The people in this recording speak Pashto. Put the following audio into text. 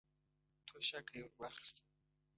توشکه يې ور واخيسته.